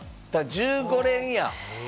１５連や。